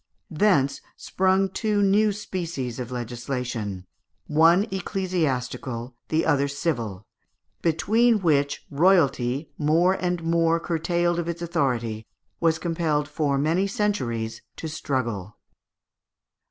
Thence sprung two new species of legislation, one ecclesiastical, the other civil, between which royalty, more and more curtailed of its authority, was compelled for many centuries to struggle.